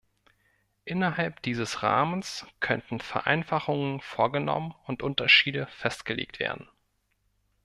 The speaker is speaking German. Innerhalb dieses Rahmens könnten Vereinfachungen vorgenommen und Unterschiede festgelegt werden.